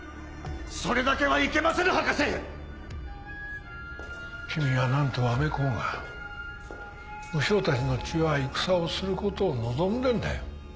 それだけはいけませ君が何と喚こうが武将たちの血は戦をすることを望んでんだよ